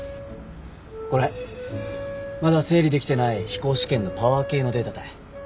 これまだ整理できてない飛行試験のパワー計のデータたい。